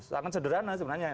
sangat sederhana sebenarnya